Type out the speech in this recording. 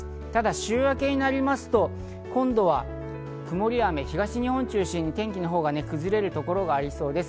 週明けになりますと、今度は曇りや雨、東日本を中心に天気が崩れる所がありそうです。